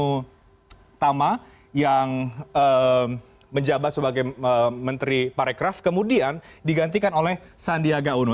yang pertama yang menjabat sebagai menteri parekraf kemudian digantikan oleh sandiaga uno